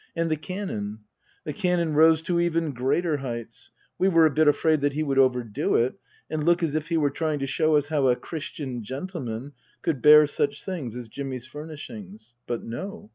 And the Canon The Canon rose to even greater heights. We were a bit afraid that he would overdo it and look as if he were trying to show us how a Christian gentleman could bear such things as Jimmy's furnishings. But no.